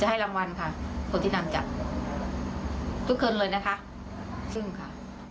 ให้รางวัลค่ะคนที่นำจับทุกคนเลยนะคะซึ่งค่ะ